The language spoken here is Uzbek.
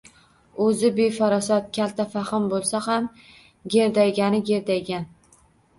O’zi befarosat, kaltafahm bo’lsa ham gerdaygani gerdaygan.